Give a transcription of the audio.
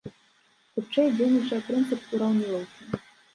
Хутчэй, дзейнічае прынцып ураўнілаўкі.